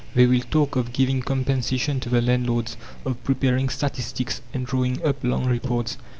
They will talk of giving compensation to the landlords, of preparing statistics, and drawing up long reports.